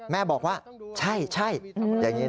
แม่บอกว่าใช่อย่างนี้นะ